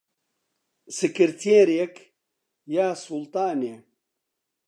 سکرتێرێک... یا سوڵتانێ